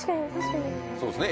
そうですね。